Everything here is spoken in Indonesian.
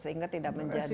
sehingga tidak menjadi